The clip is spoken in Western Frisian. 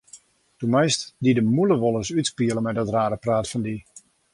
Do meist dy de mûle wolris útspiele mei dat rare praat fan dy.